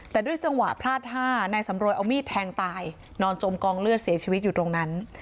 แต่ด้วยจังหวะพลาดท่านายสำรวยเอามีดแทงตายนอนจมกองเลือดเสียชีวิตอยู่ตรงนั้น